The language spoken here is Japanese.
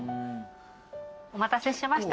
お待たせしました